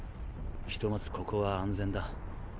ひとまずここは安全だ。